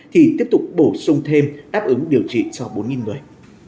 thì tiếp tục bổ sung thêm đáp ứng điều trị cho bốn người